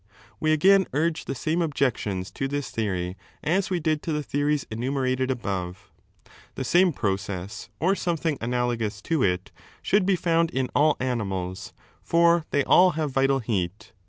We again urge the same objections to this theory as we did to the theories enumerated above. The same process, or something analogous to it, should be found in all 3 animals, for they all have vital heat.